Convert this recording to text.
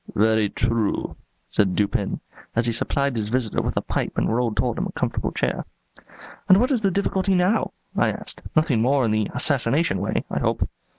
"Very true," said Dupin, as he supplied his visitor with a pipe and rolled toward him a comfortable chair. "And what is the difficulty now?" I asked. "Nothing more in the assassination way, I hope?"